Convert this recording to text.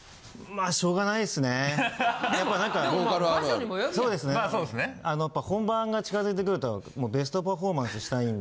あのやっぱ本番が近づいてくるとベストパフォーマンスしたいんで。